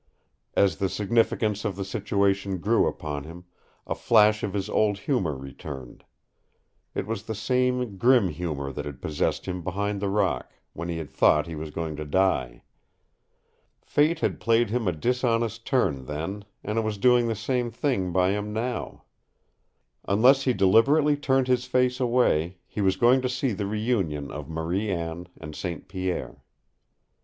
As the significance of the situation grew upon him, a flash of his old humor returned. It was the same grim humor that had possessed him behind the rock, when he had thought he was going to die. Fate had played him a dishonest turn then, and it was doing the same thing by him now. Unless he deliberately turned his face away, he was going to see the reunion of Marie Anne and St. Pierre.